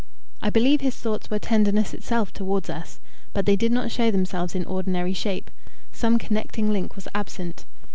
I believe his thoughts were tenderness itself towards us, but they did not show themselves in ordinary shape: some connecting link was absent.